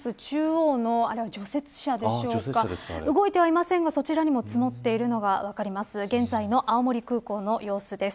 中央の、除雪車でしょうか動いてはいませんが、そちらにも積もっているのが分かります。